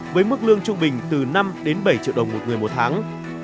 với mức lương trung bình từ năm đến bảy triệu đồng một người một tháng